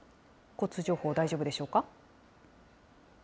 交通情報、大丈夫でしょうか？